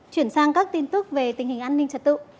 chuyển sang các tin tức về tình hình an ninh trật tự